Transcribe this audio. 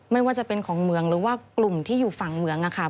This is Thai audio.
ไม่ว่าจะเป็นของเมืองหรือว่ากลุ่มที่อยู่ฝั่งเมืองค่ะ